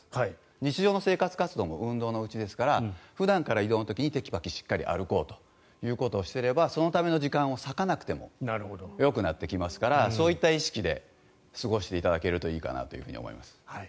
日常の生活活動も運動のうちですから普段から移動の時にテキパキしっかり歩こうということをしていればそのための時間を割かなくてもよくなってきますからそういった意識で過ごしていただけるといいかなと思います。